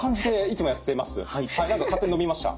何か勝手に伸びました。